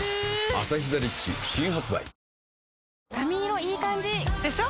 「アサヒザ・リッチ」新発売髪色いい感じ！でしょ？